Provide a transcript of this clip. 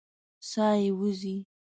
ساه یې وځي.